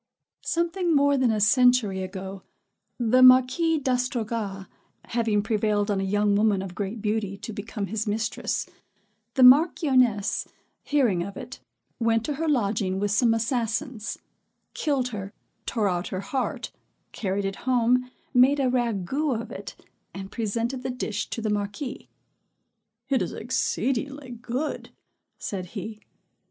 Something more than a century ago, the Marquis D'Astrogas having prevailed on a young woman of great beauty to become his mistress, the Marchioness hearing of it, went to her lodging with some assassins, killed her, tore out her heart, carried it home, made a ragout of it, and presented the dish to the Marquis. "It it exceedingly good," said he.